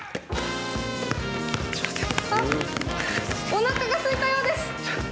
おなかがすいたようです。